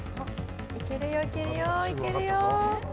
いけるよいけるよいけるよ。